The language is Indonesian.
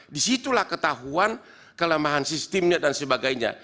disitulah ketahuan kelemahan sistemnya dan sebagainya